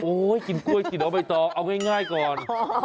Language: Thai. โอ๊ยกินกล้วยกินออกไปต่อเอาง่ายก่อน